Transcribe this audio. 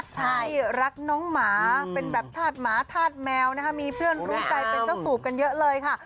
ใช่รักน้องหมาเป็นแบบธาตุหมาธาตุแมวนะคะมีเพื่อนรู้ใจเป็นเจ้าตูบกันเยอะเลยค่ะ